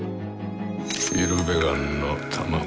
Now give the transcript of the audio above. イルベガンの卵。